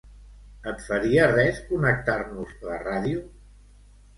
Et faria res connectar-nos la ràdio?